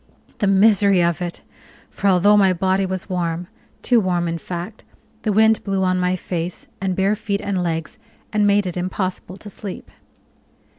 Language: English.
The misery of it! for although my body was warm too warm, in fact the wind blew on my face and bare feet and legs, and made it impossible to sleep.